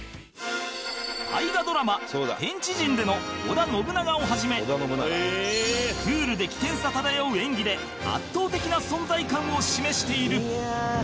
大河ドラマ『天地人』での織田信長をはじめクールで危険さ漂う演技で圧倒的な存在感を示している